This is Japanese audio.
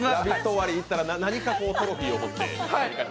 終わり行ったら何かトロフィーを持って。